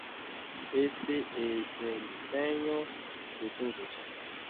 éste es el Señor de todos.